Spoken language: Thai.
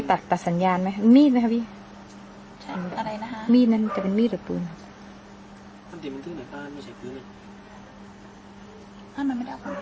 ก็ความแว่งมากโดยที่มันเป็นการติดเยอะ